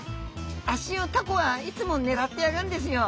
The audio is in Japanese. あっしをタコはいつも狙ってやがるんですよ」。